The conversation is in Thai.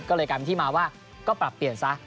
ก็เลยกลายเป็นที่มาว่าก็ปรับเปลี่ยนซะ